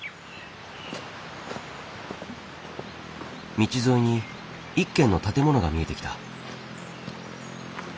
道沿いに一軒の建物が見えてきた。